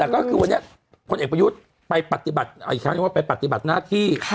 แต่ก็คือวันนี้พลเอกประยุทธ์ไปปฏิบัติเอาอีกครั้งว่าไปปฏิบัติหน้าที่